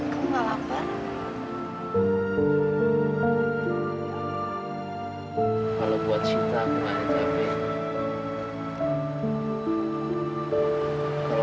kalau mau pulang dulu mau pulang dulu